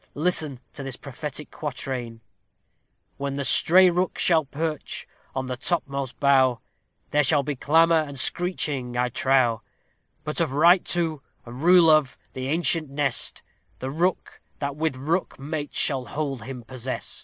Listen to this prophetic quatrain: When the stray Rook shall perch on the topmost bough, There shall be clamor and screeching, I trow; But of right to, and rule of the ancient nest, The Rook that with Rook mates shall hold him possest.